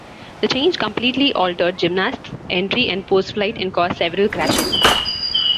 The change completely altered gymnasts' entry and postflight and caused several crashes.